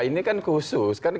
ini kan khusus